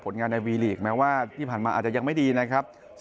งานในวีลีกแม้ว่าที่ผ่านมาอาจจะยังไม่ดีนะครับ